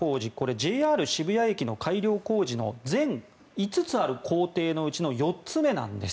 ＪＲ渋谷駅の改良工事の全５つある工程のうちの４つ目なんです。